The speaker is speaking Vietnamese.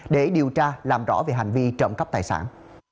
để điều tra làm rõ về hành vi trộm cắp tài sản